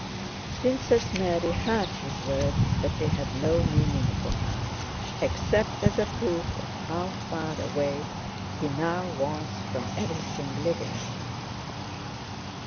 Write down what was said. Princess Mary heard his words but they had no meaning for her, except as a proof of how far away he now was from everything living.